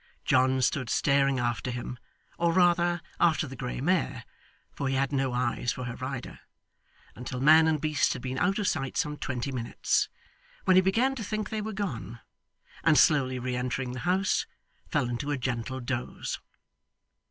John stood staring after him, or rather after the grey mare (for he had no eyes for her rider), until man and beast had been out of sight some twenty minutes, when he began to think they were gone, and slowly re entering the house, fell into a gentle doze.